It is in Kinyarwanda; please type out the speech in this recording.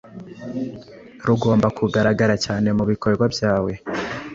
rugomba kugaragara cyane mubikorwa byawe